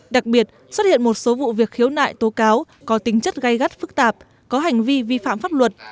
đặc biệt xuất hiện một số vụ việc khiếu nại tố cáo có tính chất gây gắt phức tạp có hành vi vi phạm pháp luật